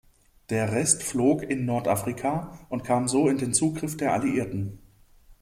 Der Rest flog in Nordafrika und kam so in den Zugriff der Alliierten.